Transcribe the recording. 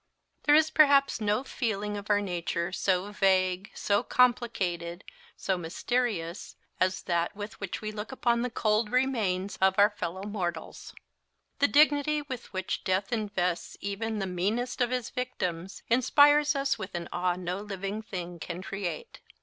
There is perhaps no feeling of our nature so vague, so complicated, so mysterious, as that with which we look upon the cold remains of our fellow mortals. The dignity with which death invests even the meanest of his victims inspires us with an awe no living thing can create.